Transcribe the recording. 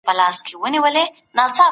د مېوو مینو په خپل خوراک کي شامل کړئ.